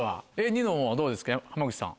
ニノはどうですか浜口さん。